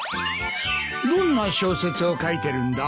どんな小説を書いてるんだ？